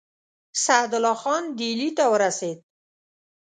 سعدالله خان ډهلي ته ورسېد.